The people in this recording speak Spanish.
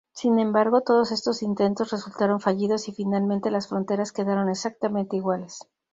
Sin embargo, todos estos intentos resultaron fallidos y finalmente las fronteras quedaron exactamente iguales.